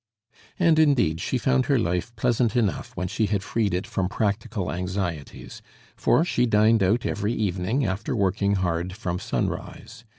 And, indeed, she found her life pleasant enough when she had freed it from practical anxieties, for she dined out every evening after working hard from sunrise.